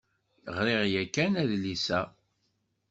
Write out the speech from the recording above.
Ɣṛiɣ yakan adlis-a.